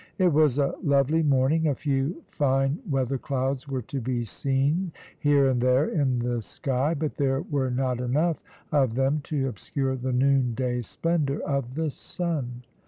It was a lovely morning, a few fine weather clouds were to be seen here and there in the sky, but there were not enough of them to obscure the noon day splendour of the sun.